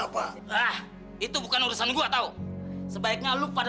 pak tahu kenapa